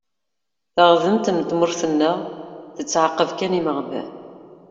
Taɣdemt n tmurt-nneɣ tettɛaqab kan imeɣban.